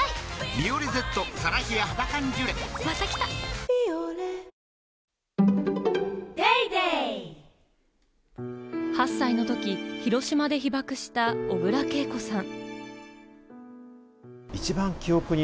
「ビオレ」８歳のとき、広島で被爆した小倉桂子さん。